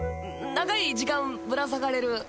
長い時間ぶら下がれる。